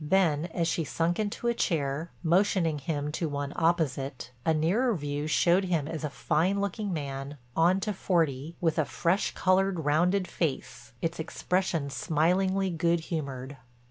Then, as she sunk into a chair, motioning him to one opposite, a nearer view showed him as a fine looking man, on to forty, with a fresh colored, rounded face, its expression smilingly good humored.